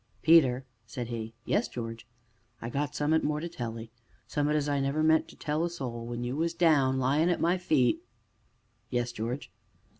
"Peter!" said he. "Yes, George?" "I got summ'at more to tell 'ee summ'at as I never meant to tell to a soul; when you was down lyin' at my feet " "Yes, George?"